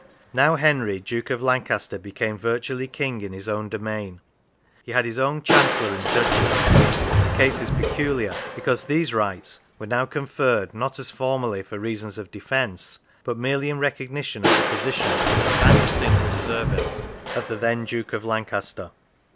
Now, Henry, Duke of Lancaster, became virtually King in his own domain; he had his own Chancellor and Judges. The case is peculiar, be cause these rights were now conferred, not, as formerly, for reasons of defence, but merely in recognition of the position and distinguished services of the then Duke of Lancaster.